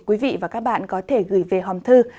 quý vị và các bạn có thể gửi về hòm thư